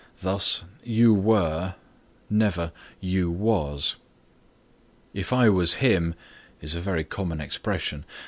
Thus, "You were," never "you was." "If I was him" is a very common expression.